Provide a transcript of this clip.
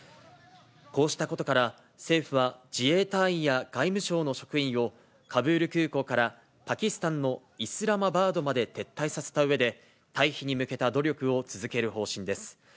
こうしたことから、政府は自衛隊員や外務省の職員を、カブール空港からパキスタンのイスラマバードまで撤退させたうえで、退避に向けた努力を続ける方針です。